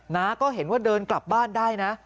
้าก็เห็นว่าเดินกลับบ้านได้นะ